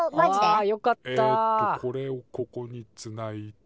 えとこれをここにつないで。